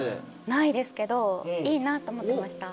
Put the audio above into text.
ないですけどいいなぁと思ってました。